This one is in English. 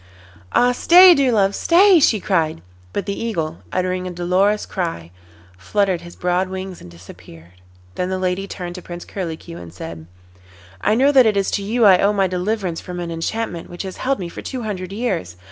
'Ah! stay, dear love, stay,' she cried. But the Eagle, uttering a dolorous cry, fluttered his broad wings and disappeared. Then the lady turned to Prince Curlicue, and said: 'I know that it is to you I owe my deliverance from an enchantment which has held me for two hundred years.